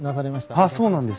あっそうなんですよ。